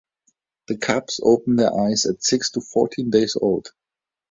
The cubs open their eyes at six to fourteen days old.